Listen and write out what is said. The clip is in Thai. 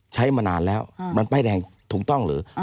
มานานแล้วมันป้ายแดงถูกต้องหรือ